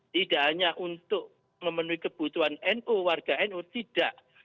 tidak hanya untuk memenuhi kebutuhan no warga no tidak